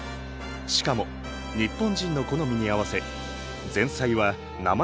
しかも日本人の好みに合わせ前菜は生野菜のサラダ。